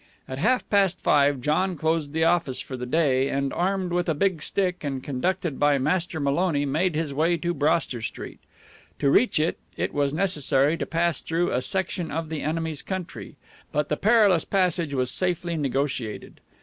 At half past five John closed the office for the day, and, armed with a big stick and conducted by Master Maloney, made his way to Broster Street. To reach it, it was necessary to pass through a section of the enemy's country, but the perilous passage was safely negotiated.